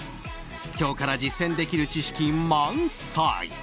今日から実践できる知識満載。